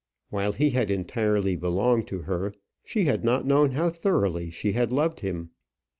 While he had entirely belonged to her, she had not known how thoroughly she had loved him.